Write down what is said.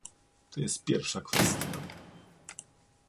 To jest pierwsza kwestia